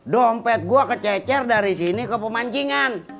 dompet gue kececer dari sini ke pemancingan